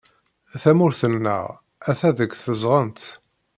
Tamurt-nneɣ atta deg tezɣent.